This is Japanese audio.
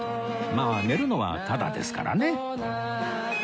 まあ寝るのはタダですからね